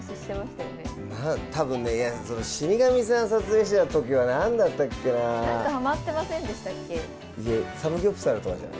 たぶんね、死神さんを撮影してたときはなんだったっけな？